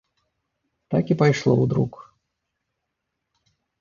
Так і пайшло ў друк.